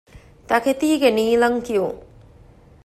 ތަކެތީގެ ނީލަންކިޔުން